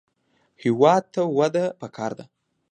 هېواد ته وده پکار ده